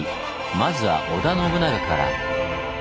まずは織田信長から！